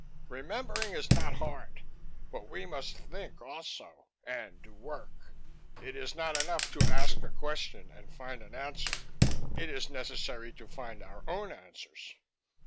Remembering is not hard, but we must think also, and do work. It is not enough to ask a question and find an answer. It is necessary to find our own answers.